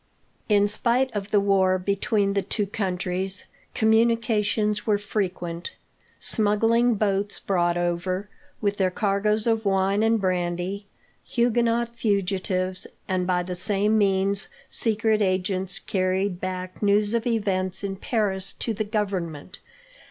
In spite of the war between the two countries, communications were frequent. Smuggling boats brought over, with their cargoes of wine and brandy, Huguenot fugitives; and, by the same means, secret agents carried back news of events in Paris to the Government.